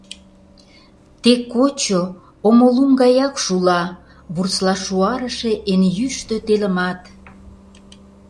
Тек кочо омо лум гаяк шула вурсла шуарыше эн йӱштӧ телымат!